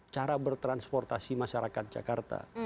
cara bertransportasi masyarakat jakarta